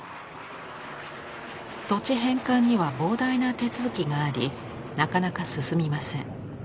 土地返還には膨大な手続きがありなかなか進みません。